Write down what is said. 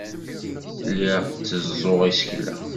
Lliɣ tteẓẓuɣ isekla.